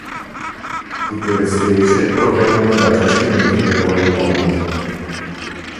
Tutte le specie provengono da giacimenti del Wyoming.